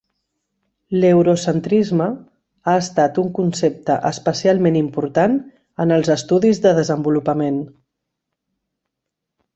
L'eurocentrisme ha estat un concepte especialment important en els estudis de desenvolupament.